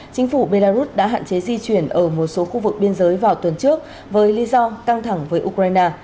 chính phủ belarus đã hạn chế di chuyển ở một số khu vực biên giới vào tuần trước với lý do căng thẳng với ukraine